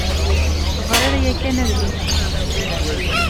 Ɣṛiɣ yakan adlis-a.